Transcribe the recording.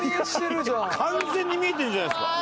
完全に見えてるじゃないですか。